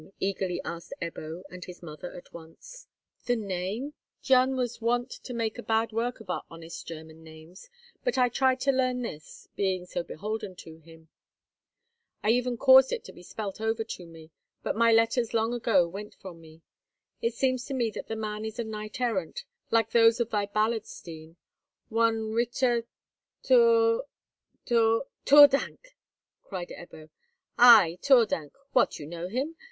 eagerly asked Ebbo and his mother at once. "The name? Gian was wont to make bad work of our honest German names, but I tried to learn this—being so beholden to him. I even caused it to be spelt over to me, but my letters long ago went from me. It seems to me that the man is a knight errant, like those of thy ballads, Stine—one Ritter Theur—Theur—" "Theurdank!" cried Ebbo. "Ay, Theurdank. What, you know him?